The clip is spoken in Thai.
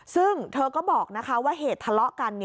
ซึ่งเธอก็บอกว่าเหตุทะเลาะกัน